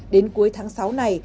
đến cuối tháng sáu này